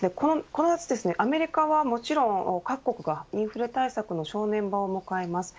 この夏、アメリカはもちろん各国がインフレ対策の正念場を迎えます。